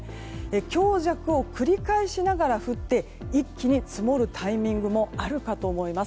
強弱を繰り返しながら降って一気に積もるタイミングもあるかと思います。